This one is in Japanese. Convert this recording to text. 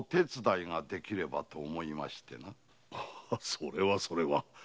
それはそれは。